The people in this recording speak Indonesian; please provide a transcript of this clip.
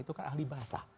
itu kan ahli bahasa